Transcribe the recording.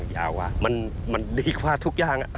ยาว่ะมันดีกว่าทุกอย่าง